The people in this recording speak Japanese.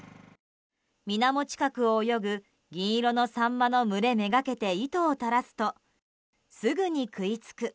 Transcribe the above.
水面近くを泳ぐ銀色のサンマの群れめがけて糸を垂らすと、すぐに食いつく。